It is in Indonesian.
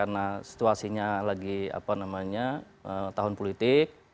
karena situasinya lagi apa namanya tahun politik